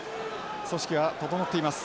組織は整っています。